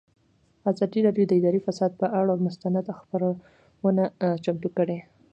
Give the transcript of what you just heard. ازادي راډیو د اداري فساد پر اړه مستند خپرونه چمتو کړې.